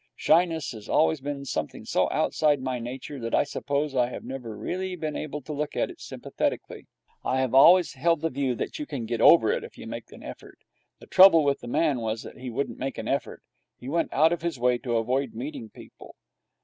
Shyness has always been something so outside my nature that I suppose I have never really been able to look at it sympathetically. I have always held the view that you can get over it if you make an effort. The trouble with the man was that he wouldn't make an effort. He went out of his way to avoid meeting people.